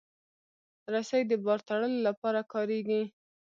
رسۍ د بار تړلو لپاره کارېږي.